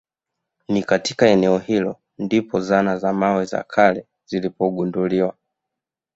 Ni katika eneo hilo ndipo zana za mawe za kale zilipogunduliwa